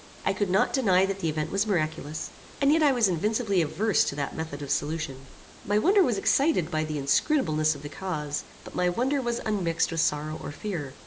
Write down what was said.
I could not deny that the event was miraculous, and yet I was invincibly averse to that method of solution. My wonder was excited by the inscrutableness of the cause, but my wonder was unmixed with sorrow or fear.